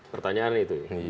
pertanyaan itu bisa atau tidak